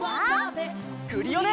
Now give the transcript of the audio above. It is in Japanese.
クリオネ！